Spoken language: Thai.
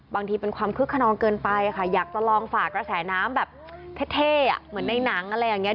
บางทีเป็นความคึกขนองเกินไปค่ะอยากจะลองฝากกระแสน้ำแบบเท่เหมือนในหนังอะไรอย่างนี้